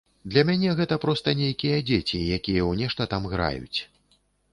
Для мяне гэта проста нейкія дзеці, якія ў нешта там граюць.